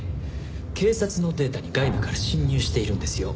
警察のデータに外部から侵入しているんですよ？